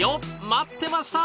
待ってました！